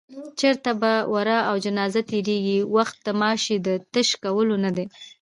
چېرته به ورا او جنازه تېرېږي، وخت د ماشې د تش کولو نه دی